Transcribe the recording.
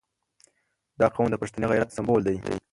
• دا قوم د پښتني غیرت سمبول دی.